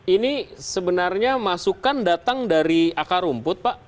ini sebenarnya masukan datang dari akar rumput pak